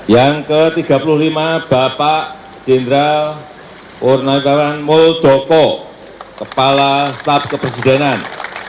yang ke tiga puluh lima bapak jenderal purnagawan muldoko kepala staf kepresidenan